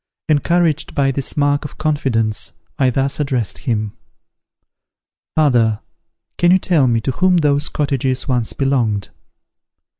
Encouraged by this mark of confidence I thus addressed him: "Father, can you tell me to whom those cottages once belonged?"